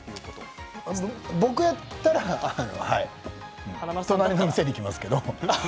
僕やったら隣の店に行きますけど。